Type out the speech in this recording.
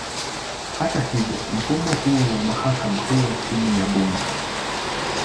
Hata hivyo, mfumo huo wa mahakama huwa chini ya bunge.